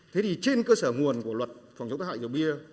thế thì trên cơ sở nguồn của luật phòng chống tác hại rượu bia